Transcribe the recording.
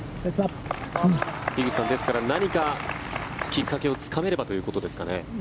樋口さんですから何かきっかけをつかめればということですかね。